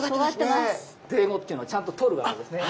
ぜいごっていうのをちゃんととるわけですね。